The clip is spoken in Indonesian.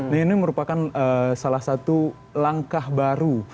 nah ini merupakan salah satu langkah baru